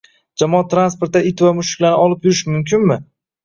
Jamoat transportida it va mushuklarni olib yurish mumkinmi?